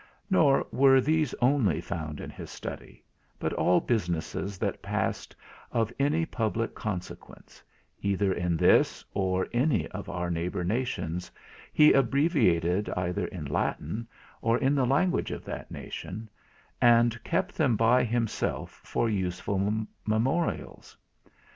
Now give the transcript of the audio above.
Nor were these only found in his study, but all businesses that passed of any public consequence, either in this or any of our neighbour nations, he abbreviated either in Latin, or in the language of that nation, and kept them by him for useful memorials.